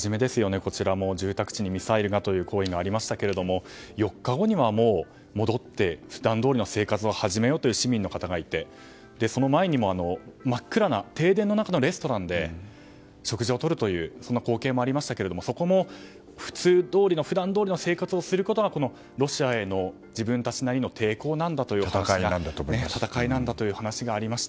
こちらも住宅地にミサイルがということがありましたが４日後には戻って普段どおりの生活を始めようという市民の方がいてその前にも真っ暗な停電の中のレストランで食事をとるというそんな光景もありましたがそこも、普通どおりの普段どおりの生活をすることがこのロシアへの自分たちなりの抵抗なんだ戦いなんだという話がありました。